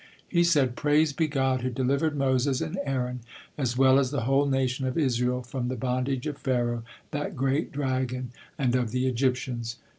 He said: "Praised be God who delivered Moses and Aaron, as well as the whole nation of Israel, from the bondage of Pharaoh, that great dragon, and of the Egyptians.